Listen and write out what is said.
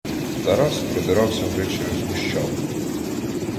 Тарас продирався вже через гущавину.